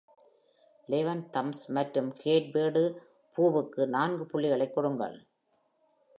Eleven thumbs மற்றும் gateway to ஃபூவுக்கு நான்கு புள்ளிகளைக் கொடுங்கள்.